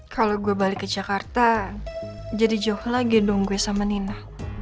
kalau gue balik ke jakarta jadi jauh lagi dong gue sama nina